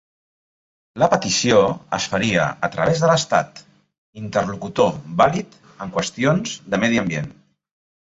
La petició es faria a través de l'Estat, interlocutor vàlid en qüestions de medi ambient.